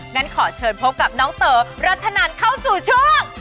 งั้นขอเชิญพบกับน้องเต๋อรัฐนันเข้าสู่ช่วง